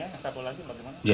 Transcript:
yang satu lagi apa teman teman